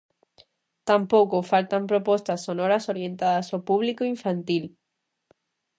Tampouco faltan propostas sonoras orientadas ao público infantil.